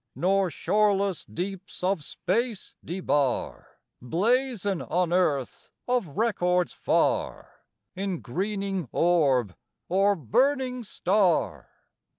Nor shoreless deeps of space debar Blazon on earth of records far, In greening orb or burning star.